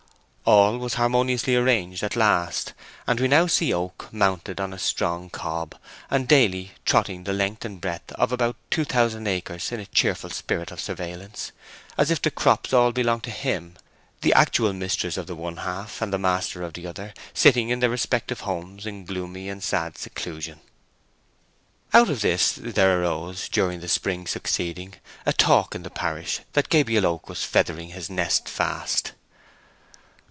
All was harmoniously arranged at last, and we now see Oak mounted on a strong cob, and daily trotting the length and breadth of about two thousand acres in a cheerful spirit of surveillance, as if the crops all belonged to him—the actual mistress of the one half and the master of the other, sitting in their respective homes in gloomy and sad seclusion. Out of this there arose, during the spring succeeding, a talk in the parish that Gabriel Oak was feathering his nest fast.